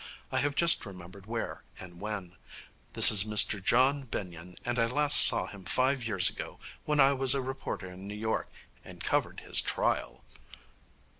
I have just remembered where, and when. This is Mr John Benyon, and I last saw him five years ago when I was a reporter in New York, and covered his trial.'